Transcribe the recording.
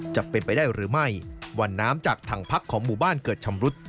จะเป็นไปได้หรือไม่วันน้ำจากถังพักของหมู่บ้านเกิดชำรุด